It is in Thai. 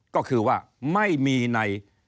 ก็คือว่าไม่มีใน